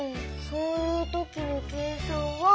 そういうときの計算は。